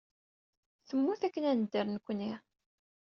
Temmut akken ad nedder nekkni.